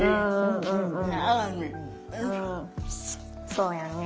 そうやね。